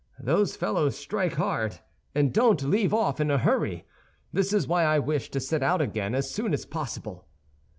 Those fellows strike hard, and don't leave off in a hurry. This is why I wish to set out again as soon as possible."